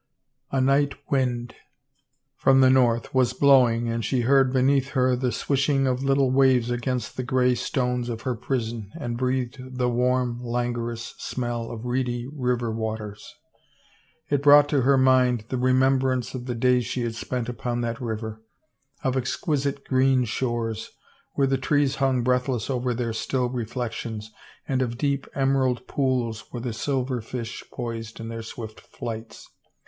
A night wind from the north was blowing and she heard beneath her the swishing of the little waves against the gray stones of her prison and breathed the warm, languorous smell of reedy river wa ters. It brought to her mind the remembrance of the days she had spent upon that river, of exquisite green shores where the trees htmg breathless over their still reflections and of deep, emerald pools where the silver fish poised in their swift flights.